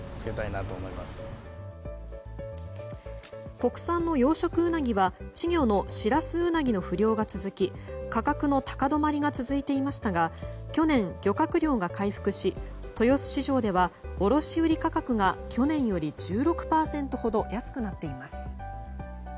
国産の養殖ウナギは稚魚のシラスウナギの不漁が続き価格の高止まりが続いていましたが去年、漁獲量が回復し豊洲市場では卸売価格が去年より１６％ほど安くなっています。